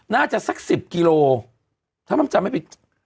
น่าจะสัก๑๐กิโละถ้าไม่จำนักว่าไม่ปิด